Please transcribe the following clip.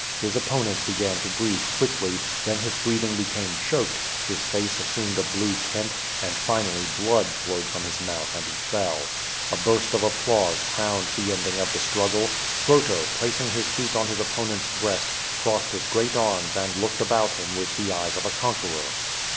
His opponent began to breathe quickly, then his breathing became choked, his face assumed a blue tint, and finally blood flowed from his mouth and he fell. A burst of applause crowned the ending of the struggle. Croto, placing his feet on his opponent's breast, crossed his great arms and looked about him with the eyes of a conqueror.